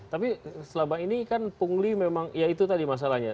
tapi selama ini kan pungli memang ya itu tadi masalahnya